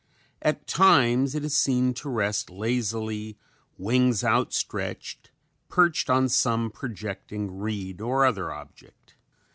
At times it is seen to rest lazily, wings out stretched, perched on some projecting reed or other object.